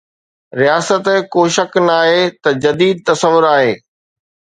رياست ڪو شڪ ناهي ته جديد تصور آهي.